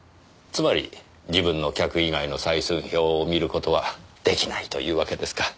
つまり自分の客以外の採寸表を見る事は出来ないというわけですか。